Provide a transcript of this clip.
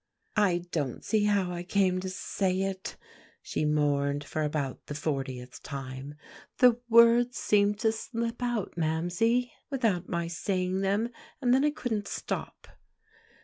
"I don't see how I came to say it," she mourned for about the fortieth time; "the words seemed to slip out, Mamsie, without my saying them; and then I couldn't stop."